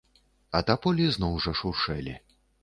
А таполі зноў жа шуршэлі.